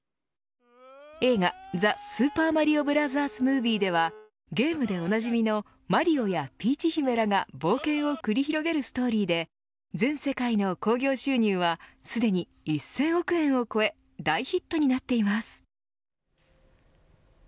映画ザ・スーパーマリオブラザーズ・ムービーではゲームでおなじみのマリオやピーチ姫らが冒険を繰り広げるストーリーで全世界の興行収入はすでに１０００億円を超え大ヒットになっています。